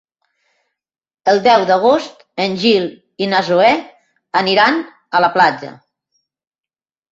El deu d'agost en Gil i na Zoè aniran a la platja.